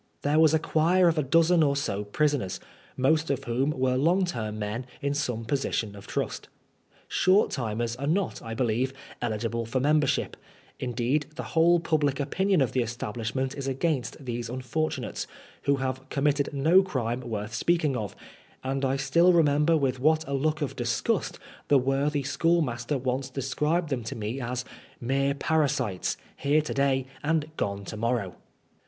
There was a choir of a dozen or so prisoners, most of whom were long term men in some position of trust. Short timers are not, I belieye, eligible for membership ; indeed, the whole public opinion of the establishment is against these unfortu nates, who have committed no crime worth speaking of ; and I still remember with what a look of disgust the worthy schoolmaster once described them to me as "Mere parasites, here to day and gone to morrow.